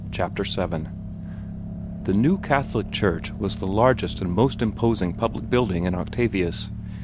CHAPTER VII The new Catholic church was the largest and most imposing public building in Octavius.